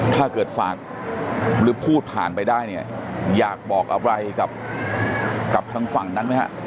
ถ้าเกิดฝากหรือพูดผ่านไปได้เนี่ยอยากบอกอะไรกับทางฝั่งนั้นไหมฮะ